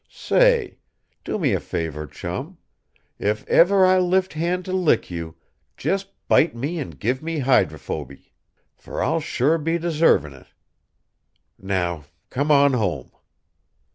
Say! Do me a favor, Chum. If ever I lift hand to lick you, jes' bite me and give me hydrophoby. For I'll sure be deservin' it. Now come on home!"